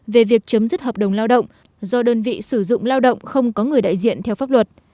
về việc chấm dứt hợp đồng lao động do đơn vị sử dụng lao động không có người đại diện theo pháp luật